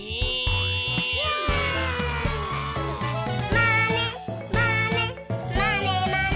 「まねまねまねまね」